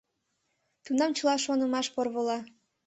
Тунам чыла шонымаш порвола.